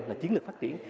là chiến lược phát triển